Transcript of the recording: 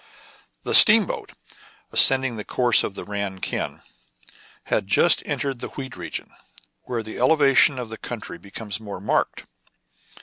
The steamboat, ascending the course of the Ran Kiang, had just entered the wheat region, where the elevation of the country becomes more marked.